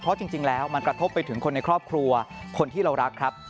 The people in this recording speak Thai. เพราะจริงแล้วมันกระทบไปถึงคนในครอบครัวคนที่เรารักครับ